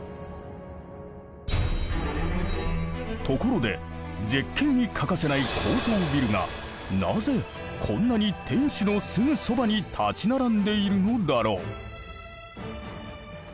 ところで絶景に欠かせない高層ビルがなぜこんなに天守のすぐそばに立ち並んでいるのだろう。